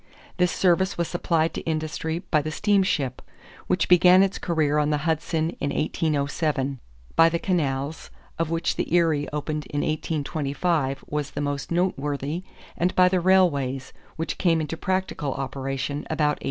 This service was supplied to industry by the steamship, which began its career on the Hudson in 1807; by the canals, of which the Erie opened in 1825 was the most noteworthy; and by the railways, which came into practical operation about 1830.